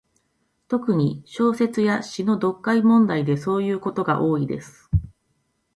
特に、小説や詩の読解問題でそういうことが多いです。